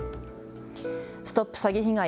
ＳＴＯＰ詐欺被害！